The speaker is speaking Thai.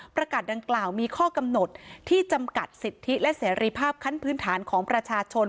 ประกาศดังกล่าวมีข้อกำหนดที่จำกัดสิทธิและเสรีภาพขั้นพื้นฐานของประชาชน